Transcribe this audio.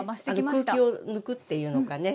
空気を抜くっていうのかね。